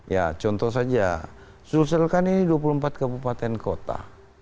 ya contoh saja sulsel kan ini dua puluh empat kabupaten kota